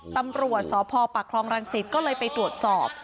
ตำรวจสพปักคลองรังสิตก็เลยไปตรวจสอบ